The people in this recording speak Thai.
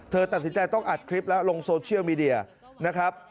ตัดสินใจต้องอัดคลิปแล้วลงโซเชียลมีเดียนะครับ